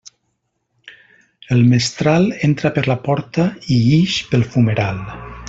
El mestral entra per la porta i ix pel fumeral.